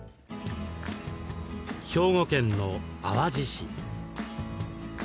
兵庫県の淡路市。